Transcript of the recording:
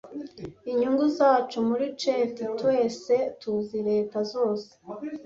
Inyungu zacu muri shit. Twese tuzi leta zose